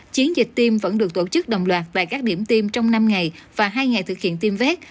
chiến dịch tiêm vẫn được tổ chức đồng loạt tại các điểm tiêm trong năm ngày và hai ngày thực hiện tiêm vét